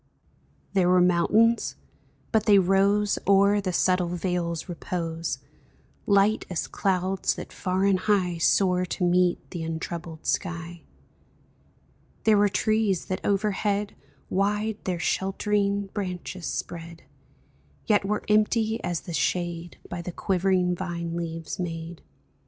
There were mountains, but they rose O'er the subtile vale's repose, Light as clouds that far and high Soar to meet the untroubled sky. There were trees that overhead Wide their sheltering branches spread, Yet were empty as the shade By the quivering vine leaves made.